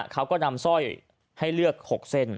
เขาก็นำสร้อยให้เลือก๖เส้น